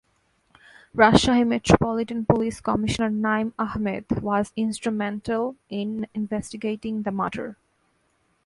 Rajshahi Metropolitan Police commissioner Naim Ahmed was instrumental in investigating the murder.